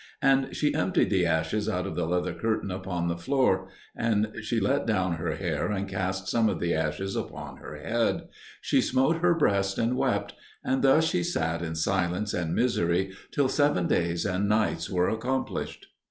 And she emptied the ashes out of the leather curtain upon the floor; she let down her hair and cast some of the ashes upon her head; she smote her breast and wept; and thus she sat in silence and misery till seven days and nights were accomplished.